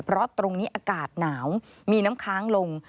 เพราะตรงนี้อากาศหนาวมีน้ำค้างลง